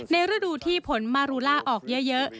ฤดูที่ผลมารูล่าออกเยอะ